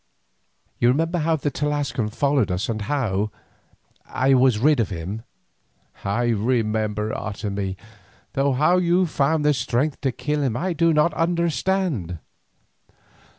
"You remember how the Tlascalan followed us and how—I was rid of him?" "I remember, Otomie, though how you found strength to kill him I do not understand."